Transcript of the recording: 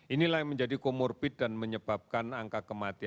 inilah yang menjadi comorbid dan menyebabkan angka kematian